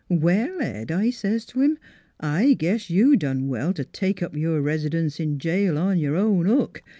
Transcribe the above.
' Well, Ed,' I says t' him, ' I guess you done well t' take up your res'dunce in jail on your own hook.